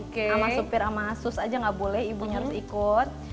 sama supir sama asus aja nggak boleh ibunya harus ikut